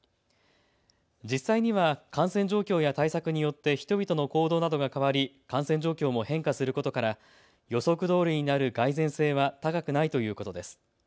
実際には感染状況や対策によって人々の行動などが変わり感染状況も変化することから、予測どおりになる蓋然性は高くないということです。